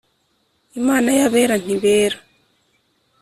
Imana yabera ntibera